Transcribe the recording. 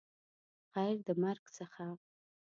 غیر د مرګ څخه